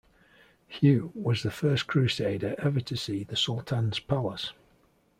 Hugh was the first crusader ever to see the sultan's palace.